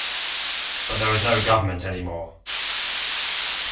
"But there was no government any more.